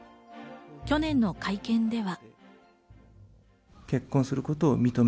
去年の会見では。